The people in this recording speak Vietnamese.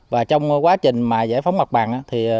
và trong quá trình giải phóng mặt bằng